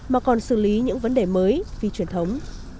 mà còn xử lý những vấn đề mới phi truyền thống